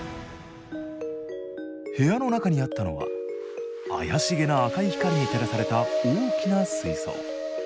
部屋の中にあったのはあやしげな赤い光に照らされた大きな水槽。